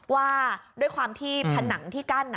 ว่าด้วยความที่ผนังที่กั้น